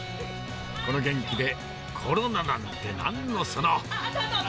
この元気でコロナなんてなんのその。